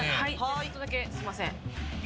ちょっとだけすみません。